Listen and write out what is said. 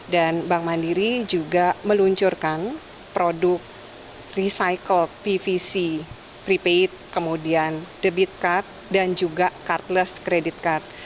dan bank mandiri juga meluncurkan produk recycle pvc prepaid kemudian debit card dan juga cardless credit card